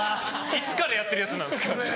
いつからやってるやつなんですか？